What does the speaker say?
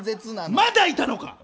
まだいたのか！